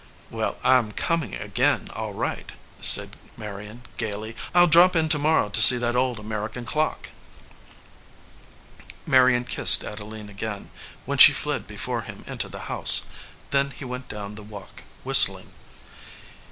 "Well, I am coming again, all right," said Marion, gaily. "I ll drop in to morrow to see that old American clock." Marion kissed Adeline again, when she fled be fore him into the house. Then he went down the walk whistling.